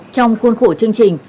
trong khuôn khổ chương trình